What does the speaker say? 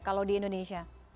kalau di indonesia